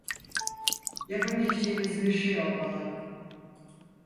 Yapabileceğimiz bir şey olmalı.